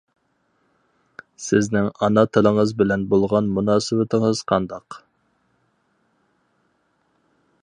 سىزنىڭ ئانا تىلىڭىز بىلەن بولغان مۇناسىۋىتىڭىز قانداق؟ !